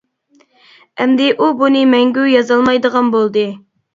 ئەمدى ئۇ بۇنى مەڭگۈ يازالمايدىغان بولدى.